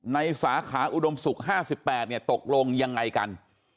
สาขาอุดมศุกร์๕๘ตกลงยังไงกัน